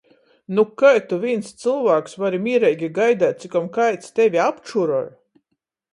Nu kai tu vīns cylvāks vari mīreigi gaideit, cikom kaids tevi apčuroj?